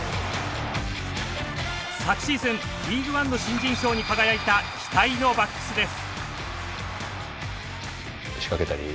昨シーズンリーグワンの新人賞に輝いた期待のバックスです。